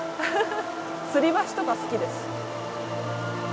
つり橋とか好きです。